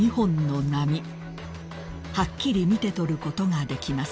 ［はっきり見て取ることができます］